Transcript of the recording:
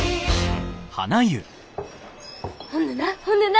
ほんでなほんでな。